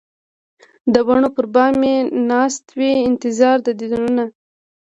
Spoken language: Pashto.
د بڼو پر بام یې ناست وي انتظار د دیدنونه